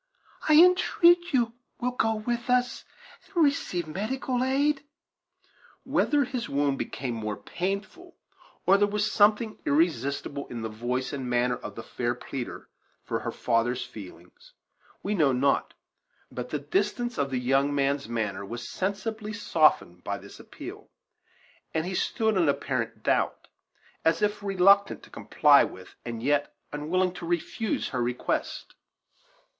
I entreat you will go with us, and receive medical aid." Whether his wound became more painful, or there was something irresistible in the voice and manner of the fair pleader for her father's feelings, we know not; but the distance of the young man's manner was sensibly softened by this appeal, and he stood in apparent doubt, as if reluctant to comply with and yet unwilling to refuse her request.